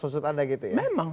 maksud anda gitu ya